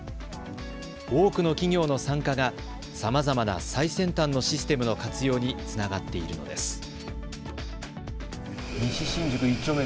多くの企業の参加がさまざまな最先端のシステムの活用につながっているのです。